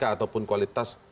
ataupun penurunan kualitas